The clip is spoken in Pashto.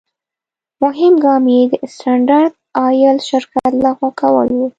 مهم ګام یې د سټنډرد آیل شرکت لغوه کول و.